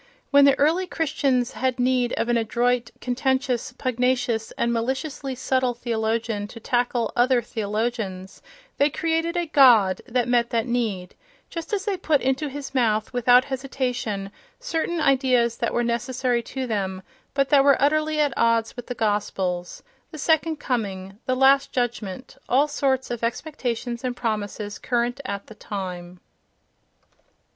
When the early Christians had need of an adroit, contentious, pugnacious and maliciously subtle theologian to tackle other theologians, they created a "god" that met that need, just as they put into his mouth without hesitation certain ideas that were necessary to them but that were utterly at odds with the Gospels—"the second coming," "the last judgment," all sorts of expectations and promises, current at the time.